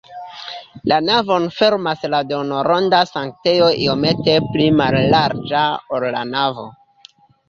La navon fermas la duonronda sanktejo iomete pli mallarĝa, ol la navo.